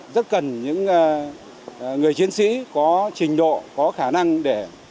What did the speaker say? rất cần những người chiến sĩ có trình độ có khả năng để